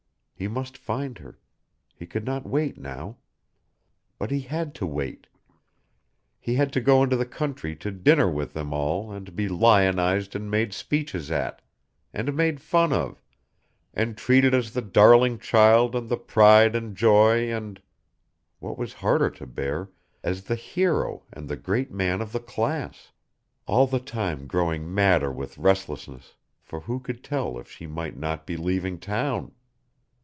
He must find her he could not wait now. But he had to wait. He had to go into the country to dinner with them all and be lionized and made speeches at, and made fun of, and treated as the darling child and the pride and joy and what was harder to bear as the hero and the great man of the class. All the time growing madder with restlessness, for who could tell if she might not be leaving town!